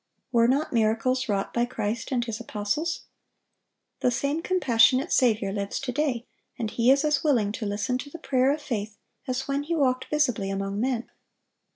Were not miracles wrought by Christ and His apostles? The same compassionate Saviour lives to day, and He is as willing to listen to the prayer of faith as when He walked visibly among men.